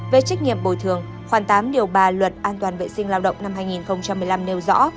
về trách nhiệm bồi thường khoảng tám điều ba luật an toàn vệ sinh lao động năm hai nghìn một mươi năm nêu rõ